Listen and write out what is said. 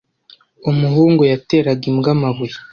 Umuhungu yateraga imbwa amabuye.